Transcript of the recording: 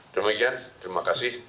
demikian terima kasih